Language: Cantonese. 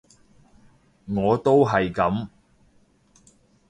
我都係噉